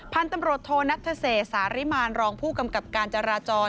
พันธุ์ตำรวจโทนัทเศษสาริมารรองผู้กำกับการจราจร